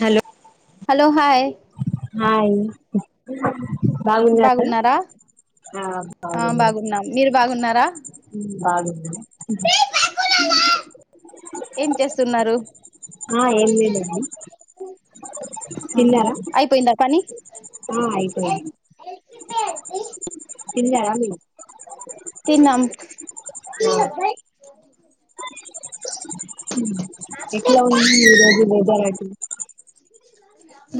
Hello hello hi hi బాగున్నారా ఆ ఆ బాగున్నా బాగున్నాం మీరు బాగున్నారా బాగున్నాం ఏం చేస్తున్నారు ఆ ఏం లేదండి ఆ తిన్నారా అయిపోయిందా పనీ ఆ అయిపోయింది తిన్నవానే తిన్నాం ఆ ఎట్లా ఉంది ఈ రోజు వెదర్ అటు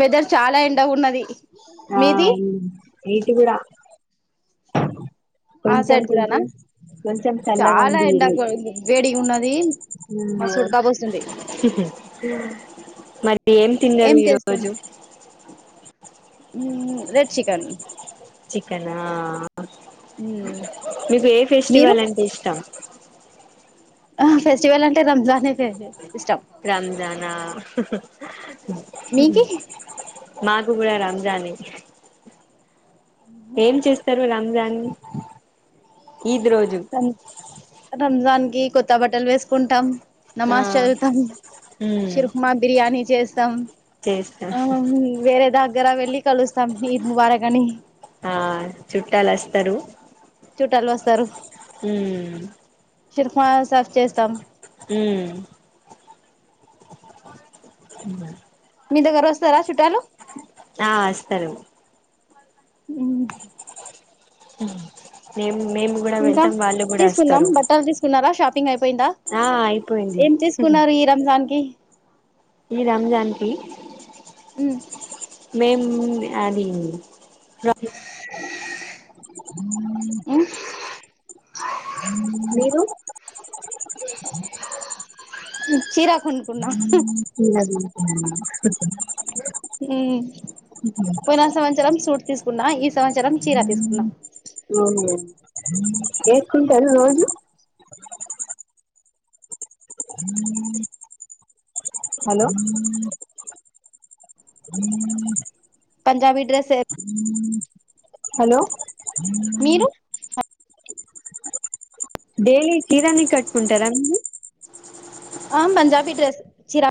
వెదర్ చాలా ఎండగున్నది ఆ ఇటు కూడా ఆ కొంచెం సైడ్ కూడానా కొంచెం కొంచెం చల్లగా చాలా ఉంది ఈ ఎండా రోజు వేడిగా ఉన్నది ఆ మాస్తుడుకపోస్తుంది మరి ఏం తిన్నరు ఈరోజు హుం రేపు చికెన్ చికెనా మ్మ్ మీకు ఏ మీరు ఫెస్టివల్ అంటే ఇష్టం ఫెస్టివల్ అంటే రంజాన్ ఏ ఇష్టం రంజానా మీకి మాకు కూడా రంజానే ఏం చేస్తరు రం జాన్ ర రంజన్ కి కొత్త బట్టలు వేసుకుంటాం ఆ నమాజ్ చదువుతాం ఉమ్ శిర్కూర్మా బిరియానీ చేసి స చేస్తా ఆ వేరేద దగ్గర వెళ్ళి కలుస్తాం ఇ వార కాని ఆ చుట్టాలస్తారు చుట్టాలు వస్తారు శర్ఫ సాఫ చేస్తస్తాం అ మీ దగ్గర వస్తారా చుట్టాలు ఆ వస్తరు నిమ్ ఇంకా తీసుకుందాం బట్టలు తీసుకున్నారా షాప్ పింగ్ అయ్పొ పోయిందా ఆ అయిపోయింది ఏం చేసుకున్నారు ఈ రంజాన్ కి ఈ రామ్జాన్కి మ్ మేమ్ అది అ మ్ మీరు చిర కొనుకున్న [inaudible] మ్ పోయినా సంత్సరం సూట్ తీసుకు కున్నా ఈ సంవత్సరం చీరా తీసుకున్నా ఓ ఏసుకుంటారు రోజూ హలో పంజాబీ డ్రెస్ ఎ హలో మీరు డైలీ తీరాన్ని కట్టుకుంటారా అండి ఆ పంజాబీ డ్రెస్ చిరా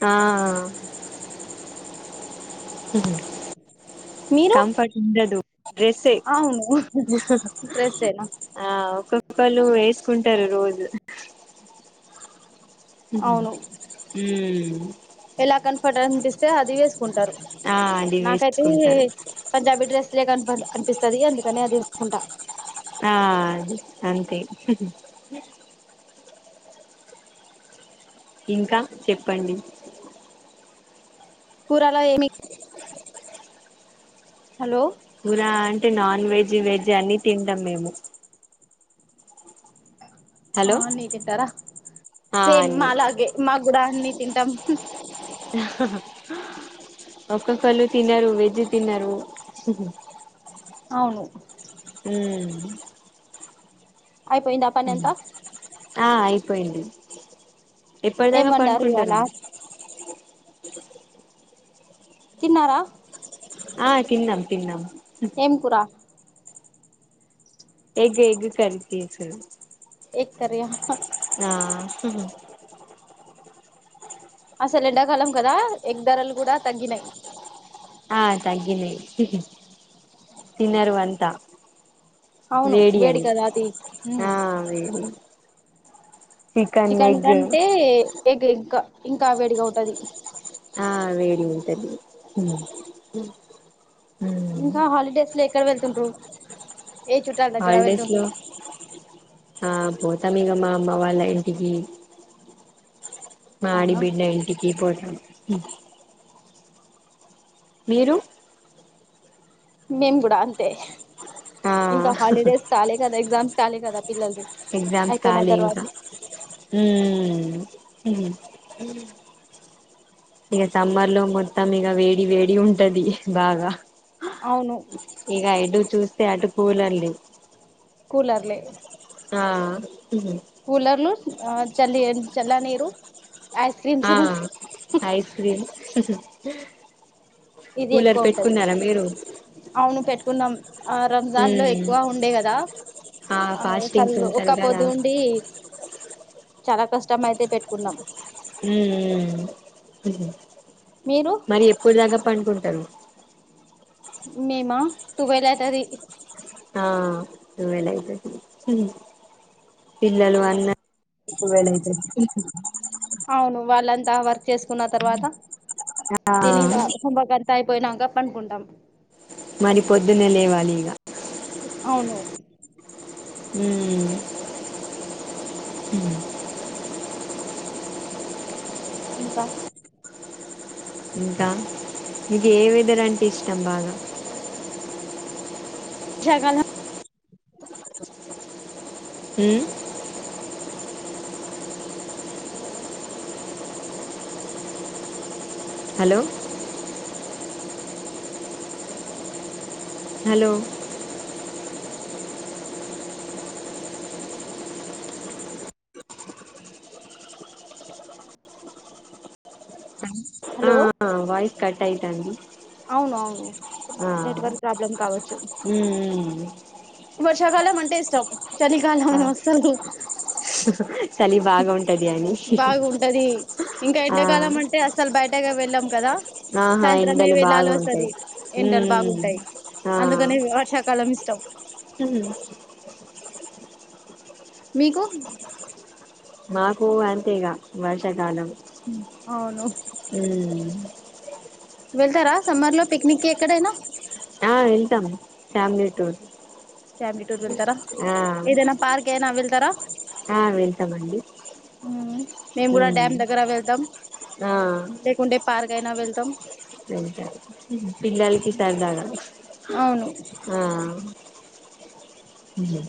ఆ [unintelligible] మీరు కంఫర్ట్ ఉండదు డ్రస్సే అవును డ్రెస్సేనా ఆ ఒక పలు వేసుకుంటారు రోజు అవును హ్మ్ ఎలా కన్ఫర్ట్ అనిపిస్తే అది వేసుకుంటారు. ఆ అది నాకైతే వేసుకుంటారు పంజాబీ డ్రస్స్ దే కన్ఫర్ట్ అనిపిస్తది అందుకని అది ఏసుకుంటా ఆ అంతే ఇంకా చెప్పండి కూరలో ఏమి హలో కూర అంటే నాన్ వెజ్ వెజ్ అన్ని తింటాం మేము హలో అన్నీ తింటారా ఆ సేమ్ అన్ని మాలాగే మాగ్గుడా అన్నీ తింటాం కలు తినరు వెజ్ తిన్నారు అవును మ్ అయిపోయిందా పని అంత ఆ అయిపోయింది ఏం ఎప్పటిదాకా వండారు ఇవాళ పండుకుంటారండి తిన్నారా ఆ తిన్నాం తిన్నాం ఏం కురా ఎగ్ ఎగ్ కర్రీ చేస్ ఎగ్ కర్రీ హా ఆ అసలు ఎండాకాలం కదా ఎగ్ ధరలు కూడా తగ్గినాయి ఆ తగ్గిన తన్నారురు అంత అవును వేడి అని కదా అది ఉమ్ ఆ వేడిని చికెన్ కంటే ఏగ ఇం ఇంకా వేడిగా ఉంటది ఆ వేడి ఉంటది ఉమ్ ఇంకా హాలిడేస్ లేక్ కడవరుతుంట్రు హాలిడేస్ లో పోతాం ఇకమ్మా అమ్మ వాళ్ళ ఇంటికి మీ అవునా బిడ్ ఎళ్ంటి పోం మీరు మేం కూడా అంతే ఆ ఇంకా హాలిడేస్ కాలే కదా ఎగ్జామ్స్ లి కదా పిల్లలది ఎగ్జామ్స్ అయిపోయిన ఖాళీ తర్వాత ఇంకా ఇక సమ్మర్ లో మొత్తం ఇక వేడి వేడి ఉంటది బాగా అవును ఇగా ఎడు చూస్త తటు పూలండి కూలర్లే ఆ కూలర్లు ఆ చలి చల్లనీరు ఆ ఐస్ క్రీం ఇది కూలర్ ఎక్కువ పెట్టుకున్నారా మీరు తున్నాం ఆ రంజాన్ లో ఉమ్ ఎక్కువ ఉండే కదా ఆ ఫాస్టింగ్స్ అసలు ఉంటారు ఒక కదా పొద్దు ఉండి చాలా కష్టం అయితే పెట్టుకున్నాం మీరు మరి ఎప్పుడు దాకా పనుకుంటారు మేమా ట్వెల్వ్ అవుతది ఆ ట్వెల్వ్ అవుతది పిల్లలు అన్ని ట్వెల్వ్ అయితది అవును వాళ్ళంతా వర్ చేసుకున్న తర్వాత ఆ తిని వై కుంభక తైపోయినా పడుకుంటాం మరి పొద్దున్న లేవాలి ఇగ అవును మ్మ్ ఇంకా ఇంకా మీకు ఏ వెదర్ అంటే ఇష్టం బాగా ర్షాకాలం మ్మ్ హలో హలో ఆ హలో ఆ వాయిస్ కట్ అయితాంది అవును అవును ఆ నెట్వర్క్ ప్రాబ్లం కావచ్చు ఉమ్ ఉమ్ వష్ వర్షాకాలం అంటే ఇష్టం చలి ఆ కాలం అస్సలు చలి బాగా ఉంటు బాగుంటది ఇంకా ఆ ఎండాకాలం అంటే అసలు బయటకే వెళ్ళాము కదా ఆహా సాయంత్రమే ఎండలు వెళ్ళాలి బాగుంటాయ్ వస్తది ఎండలు మ్మ్ బాగుంటాయి మ్మ్ ఆ అందుకని వర్షాకాలం ఇష్టం మీకు మాకు అంతేగా వర్షాకాలం అవును మ్మ్ అ వెళ్తారా సమ్మర్ లో పిక్నిక్కి ఎక్కడైనా ఆ వెళ్తాము ఫ్యామిలీ టూర్ ఫ్యామిలీ టూర్ వెళ్తారా ఆ ఏదైనా పార్క్ అయినా వెళ్తారా ఆ వెళ్తామండి మ్మ్. మేము కూడా ఉమ్ డ్యామ్ దగ్గర వెళ్తాం ఆ లేకుంటే పార్ కైనా వెళ్తాం వెళ్తాం పిల్లలకి సరదాగా అవును హ ఆ ఉమ్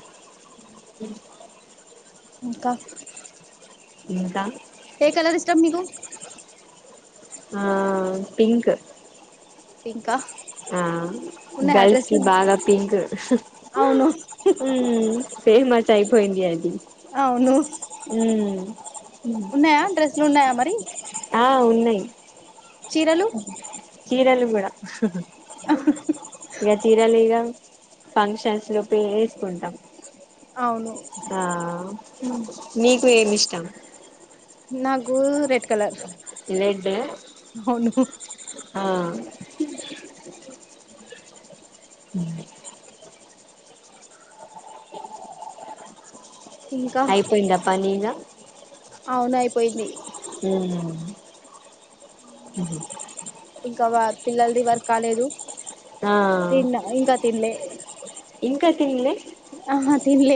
ఇంకా పింకా ఏ కలర్ ఇష్టం మీకు ఆ పింక్ ఇంకా ఆ గర్ల్స్ కి బాగా పింక్ స అవును ఆ ఉమ్ ఫేమస్ అయిపోయింది అది అవును ఉమ్ ఉన్నాయా డ్రెస్లు ఉన్నాయా మరి ఆ ఉన్నాయి చీరలు చీరలు బేడా చీరలు ఇగ ఫంక్షన్స్ లోపే వేసుకుంటాం అవును ఆ నీకు ఏమి ఇష్టం నాకు రెడ్ కలర్ రెడ్ అవును ఆ ఉమ్ ఇంకా అయిపోయిందప్పా నీగా అవును అయిపో పోయింది ఉమ్ ఇంకా వా పిల్లలది వర్క్ కాలేదు ఆ తిన్నా ఇంకా తిన్లే ఇంకా తిన్లే ఆ తినలే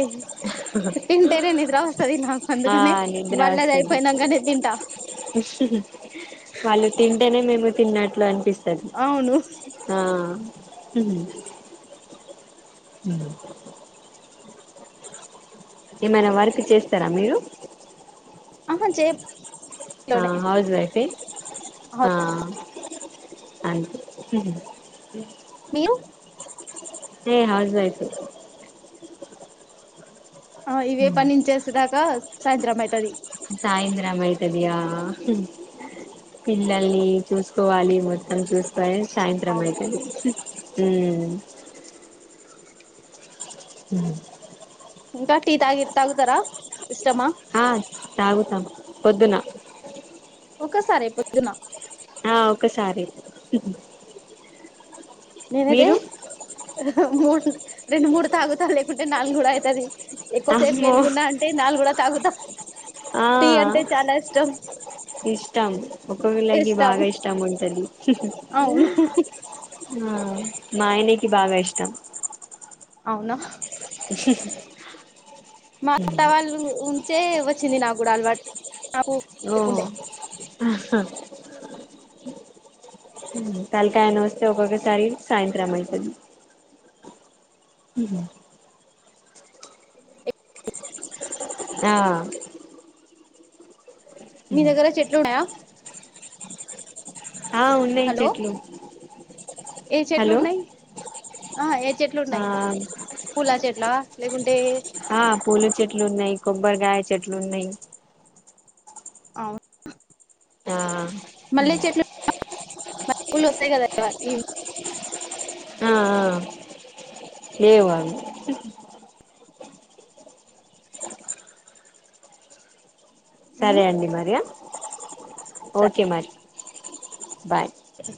తింటేనే నిద్ర వస్తాది నాకు ఆ అందుకనే నిద్ర వాళ్ళది వస్తది అయిపోయినాక నేను తింటా అంటేనే మేము తిన్నట్లు అనిపిస్తాం అవును ఆ ఉమ్ ఉమ్ ఏమైనా వారికి చేస్తారా మీరు ఆహా చేయము ఆ హౌస్ వైఫె ఆ అన్ మీరు ఏ హౌస్ వైఫె ఆ ఇవే పనించేస్తుదాకా సాయంత్రం అయితది సాయంత్రం అయితదియ పిల్లల్ అని చూసుకోవాలి మొత్తం చూస్ పయి సాయంత్రం అవును అయితది ఉమ్ ఇంకా టీ తాగి తాగతారా ఇష్టమా ఆ తాగుతాం పొద్దున ఒక్కసారి పొద్దున ఆ ఒకసారి నేనది మూడు రెండు మూడు తాగుతా లేకుంటే నాలుగుడా అయితది ఎక్కువసేపు అమ్మో మెల్కున్నా అంటే నాలుగు కూడా తాగుత ఆ ఇష్టం ఒక్కొక్కళకి బాగా ఇష్టం ఉంటది అవును ఆ మాయనకి బాగా ఇష్టం అవునా స మా అత్తవాళ్ళు ఉంచే వ వచ్చింది నాకు కూడా అలవాటు నాకు ఓ లేకుండే [inaudible] తళకాయన వస్తే ఒక్కొక్కసారి సాయంత్రం అయితది ఉహు ఆ మీ దగ్గర చెట్లు ఉన్నాయా ఆ ఉన్నాయి హలో చెట్లు ఏ చెట్లు హలో ఉన్నాయి ఆ ఏ చెట్లు ఆ ఉన్నాయి పూల చెట్లా లేకూన్ ఆ పూల చెట్లు ఉన్నాయి కొబ్బరీ గాయల చెట్లు ఉన్నాయి ఆ మళ్ళీ చెట్లు మల్లె పువ్వులు వస్తాయి కదా వ ఆ లేవు అవి ఉమ్ సరే అండి మరియా ఓకే మరి బాయ్ అ